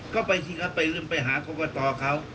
ก็ไปสิครับไปหากรกตเขา